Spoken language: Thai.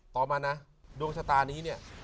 ต่อมานะดวงชะตานี้เนี่ย